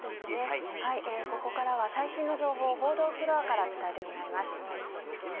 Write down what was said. ここからは最新の情報を報道フロアから伝えてもらいます。